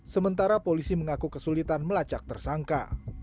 sementara polisi mengaku kesulitan melacak tersangka